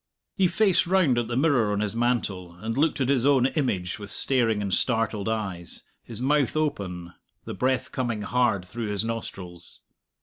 He faced round at the mirror on his mantel, and looked at his own image with staring and startled eyes, his mouth open, the breath coming hard through his nostrils.